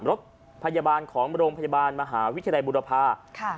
รถพยาบาลของโรงพยาบาลมหาวิทยาลัยบุรพา